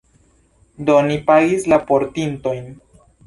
Do, ni pagis la portintojn.